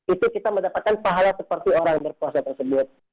itu kita mendapatkan pahala seperti orang berpuasa tersebut